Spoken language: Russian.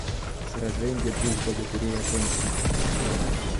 Сраженье двух богатырей окончено.